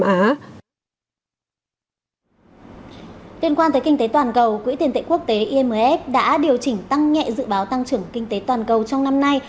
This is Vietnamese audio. liên quan tới kinh tế toàn cầu quỹ tiền tệ quốc tế imf đã điều chỉnh tăng nhẹ dự báo tăng trưởng kinh tế toàn cầu trong năm nay